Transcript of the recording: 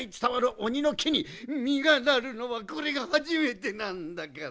おにのきにみがなるのはこれがはじめてなんだから！